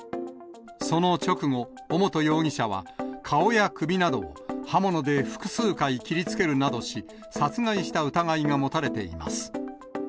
その直後、尾本容疑者は、顔や首などを、刃物で複数回切りつけるなどし、殺害した疑いが持たれています。